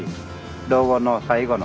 老後の最後の。